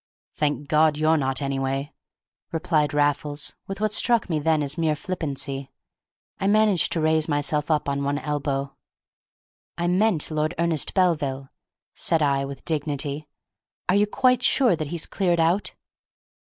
"Thank God you're not, anyway!" replied Raffles, with what struck me then as mere flippancy. I managed to raise myself upon one elbow. "I meant Lord Ernest Belville," said I, with dignity. "Are you quite sure that he's cleared out?"